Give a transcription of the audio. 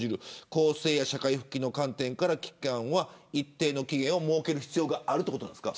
更生や社会復帰の観点から一定の期限を設ける必要があるということですか。